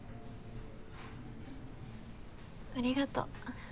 ありがと。